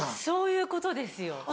そういうことですよ。